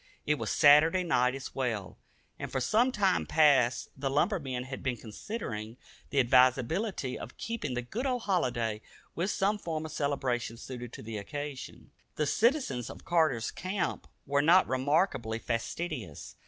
It was Saturday night as well; and for some time past the lumbermen had been considering the advisability of keeping the good old holiday with some form of celebration suited to the occasion. The citizens of Carter's Camp were not remarkably fastidious.